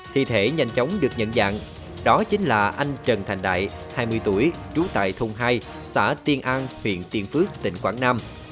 thi thể nhanh chóng được nhận dạng đó chính là anh trần thành đại hai mươi tuổi trú tại thùng hai xã tiên an huyện tiên phước tỉnh quảng nam